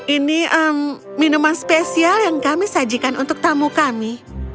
ini minuman spesial yang kami sajikan untuk tamu kami